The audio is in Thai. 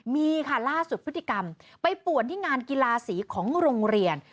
มีค่ะล่าสุดพฤติกรรมไปป่วนที่งานกีฬาสีของโรงเรียน